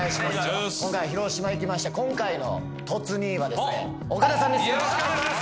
今回広島行きまして今回の突兄ぃはですね岡田さんです